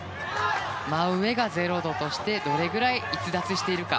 真上が０度としてどれぐらい逸脱しているか。